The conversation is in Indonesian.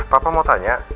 papa mau tanya